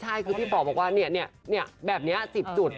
ใช่คือพี่ป๋อบอกว่าแบบนี้๑๐จุด